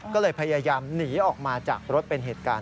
ก็เลยพยายามหนีออกมาจากรถเป็นเหตุการณ์